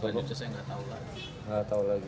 selanjutnya saya nggak tahu lagi